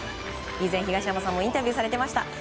以前、東山さんもインタビューされていました。